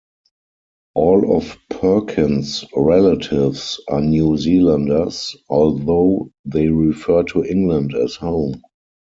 All of Perkins' relatives are New Zealanders, although they refer to England as home.